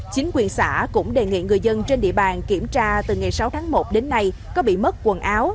chính quyền xã cũng đề nghị người dân trên địa bàn kiểm tra từ ngày sáu tháng một đến nay có bị mất quần áo